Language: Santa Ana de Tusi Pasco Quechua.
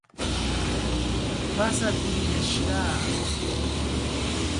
Pasakurillashqaa.